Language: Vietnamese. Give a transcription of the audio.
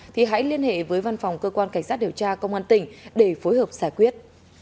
thì hãy liên hệ với văn phòng cơ quan cảnh sát điều tra công an tỉnh để phối hợp giải quyết